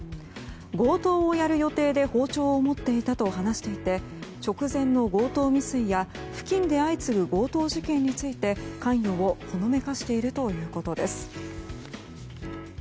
強盗をやる予定で包丁を持っていたと話していて直前の強盗未遂や付近で相次ぐ強盗事件について関与をほのめかしているということです。